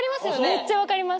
めっちゃ分かります。